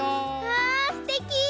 わすてき！